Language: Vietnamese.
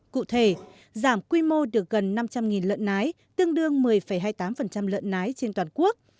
cụ thể giảm quy mô được gần năm trăm linh lợn nái tương đương một mươi hai mươi tám lợn nái trên toàn quốc